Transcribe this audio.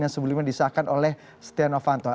yang sebelumnya disahkan oleh stiano fantola